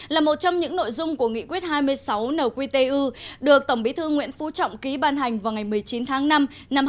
là một trong những nội dung của nghị quyết hai mươi sáu nqtu được tổng bí thư nguyễn phú trọng ký ban hành vào ngày một mươi chín tháng năm năm hai nghìn một mươi ba